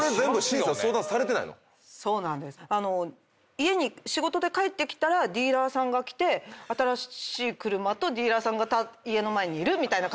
家に仕事で帰ってきたらディーラーさんが来て新しい車とディーラーさんが家の前にいるみたいな感じです。